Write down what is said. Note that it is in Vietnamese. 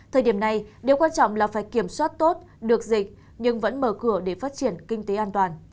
thời điểm này điều quan trọng là phải kiểm soát tốt được dịch nhưng vẫn mở cửa để phát triển kinh tế an toàn